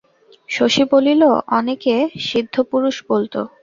শশী বলিল, অনেকে সিদ্ধপুরুষ বলত।